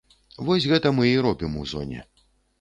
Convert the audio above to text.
Вось гэта мы і робім у зоне.